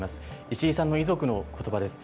石井さんの遺族のことばです。